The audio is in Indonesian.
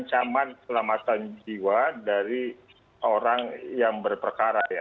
ancaman selamatan jiwa dari orang yang berperkara ya